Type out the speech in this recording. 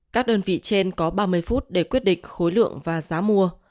các đơn vị trên có ba mươi phút để quyết định khối lượng và giá mua